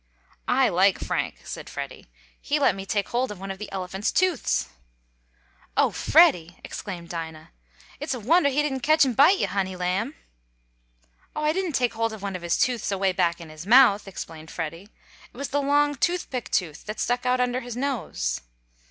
"I like Frank," said Freddie. "He let me, take hold of one of the elephant's tooths." "Oh, Freddie!" exclaimed Dinah. "It's a wonder he didn't cotch an' bite yo, honey lamb!" "Oh, I didn't take hold of one of his tooths away back in his mouth," explained Freddie, "it was the long tooth pick tooth that stuck out under his nose."